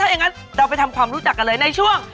อย่างนั้นเราไปทำความรู้จักกันเลยในช่วง